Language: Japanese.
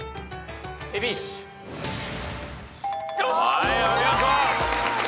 はいお見事。